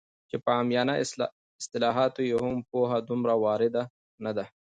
چې په عامیانه اصطلاحاتو یې هم پوهه دومره وارده نه ده